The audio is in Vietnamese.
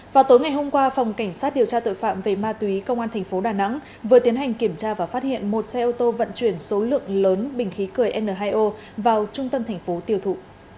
vào tối ngày hôm qua phòng cảnh sát điều tra tội phạm về ma túy công an thành phố đà nẵng vừa tiến hành kiểm tra và phát hiện một xe ô tô vận chuyển số lượng lớn bình khí cười n hai o vào trung tâm thành phố tiêu thụ